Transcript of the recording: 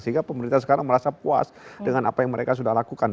sehingga pemerintah sekarang merasa puas dengan apa yang mereka sudah lakukan